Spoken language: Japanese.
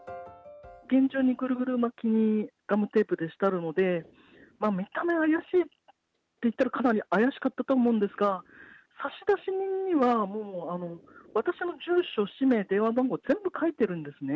厳重にぐるぐる巻きに、ガムテープでしてあるので、見た目怪しいっていったらかなり怪しかったとは思うんですが、差出人にはもう、私の住所、氏名、電話番号、全部書いてるんですね。